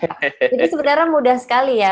ini sebenarnya mudah sekali ya